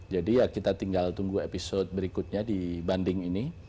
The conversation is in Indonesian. jadi ya kita tinggal tunggu episode berikutnya di banding ini